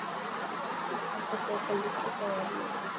موٽر سائڪل ڏکي سواري هي.